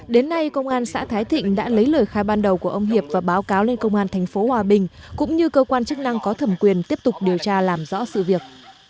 đến nay công an xã thái thịnh đã lấy lời khai ban đầu của ông hiệp và báo cáo lên công an tp hòa bình cũng như cơ quan chức năng có thẩm quyền tiếp tục điều tra làm rõ sự việc